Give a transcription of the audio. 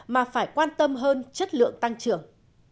mà phải quan tâm hơn chất lượng tăng trưởng